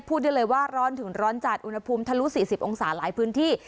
พูดได้เลยว่าร้อนถึงร้อนจัดอุณหภูมิทะลุ๔๐องศาหลายพื้นที่